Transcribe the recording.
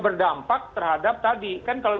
berdampak terhadap tadi kan kalau